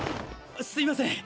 すいません！